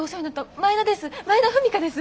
前田風未香です。